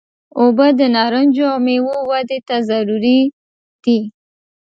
اوبه د نارنجو او میوو ودې ته ضروري دي.